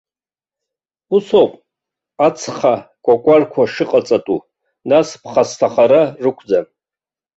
Усоуп ацха кәакәарқәа шыҟаҵатәу, нас ԥхасҭахара рықәӡам.